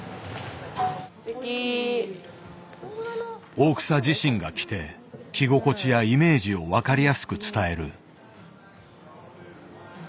大草自身が着て着心地やイメージを分かりやすく伝える。